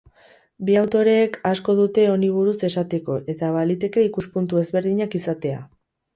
Bi autoreek asko dute honi buruz esateko eta baliteke ikuspuntu ezberdinak izatea.